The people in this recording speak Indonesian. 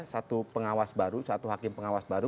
satu pengawas baru satu hakim pengawas baru